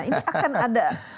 ini akan ada